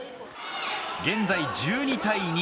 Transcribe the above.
現在１２対２。